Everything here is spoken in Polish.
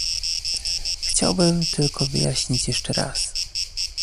Chciałbym tylko wyjaśnić jeszcze raz